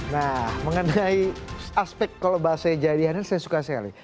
nah mengenai aspek kalau bahasanya jadiannya saya suka sekali